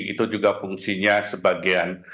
itu juga fungsinya sebagian